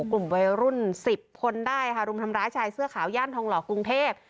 กลุ่มวัยรุ่น๑๐คนได้ค่ะรุมทำร้ายชายเสื้อขาวย่านทองหล่อกรุงเทพ